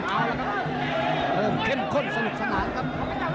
เอาละครับเริ่มเข้มข้นสนุกสนานครับ